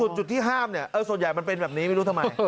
ส่วนใหญ่มันเป็นแบบนี้ไม่รู้ทำไม